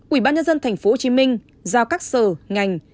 ubnd tp hcm giao các sở ngành